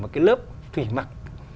một cái lớp thủy mặc